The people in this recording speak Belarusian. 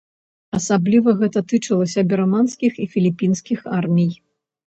Асабліва гэта тычылася бірманскіх і філіпінскіх армій.